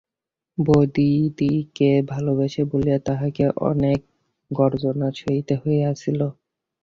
বউদিদিকে ভালোবাসে বলিয়া তাহাকে অনেক গঞ্জনা সহিতে হইয়াছিল।